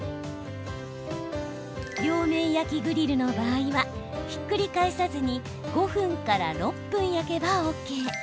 両面焼きグリルの場合はひっくり返さずに５分から６分、焼けばＯＫ。